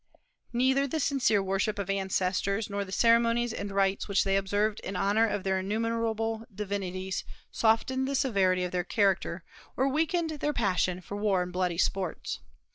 Neither the sincere worship of ancestors, nor the ceremonies and rites which they observed in honor of their innumerable divinities, softened the severity of their character, or weakened their passion for war and bloody sports.